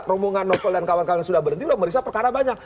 rombongan novel dan kawan kawan yang sudah berhenti loh merisa perkara banyak